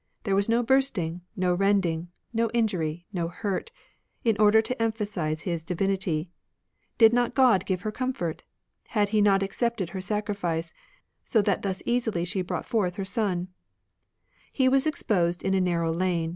There was no bursting, no rending. No injury, no hurt. In order to emphasise his divinity. Did not God give her comfort ? Had He not accepted her sacrifice, So that thus easily she brought forth her son 7 He was exposed in a narrow lane.